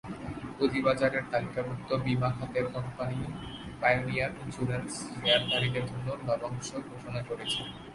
পুঁজিবাজারে তালিকাভুক্ত বিমা খাতের কোম্পানি পাইওনিয়ার ইনস্যুরেন্স শেয়ারধারীদের জন্য লভ্যাংশ ঘোষণা করেছে।